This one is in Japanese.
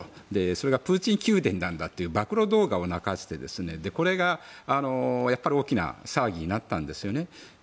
それがプーチン宮殿なんだという暴露動画を流してこれが大きな騒ぎになったんですよね。